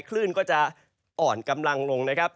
คลื่นก็จะอ่อนกำลังลงนะครับ